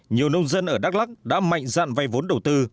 nhiều nông dân ở đắk lắc đã mạnh dạn vay vốn đầu tư